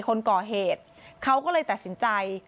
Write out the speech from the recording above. คนก่อเหตุเขาก็เลยตัดสินใจ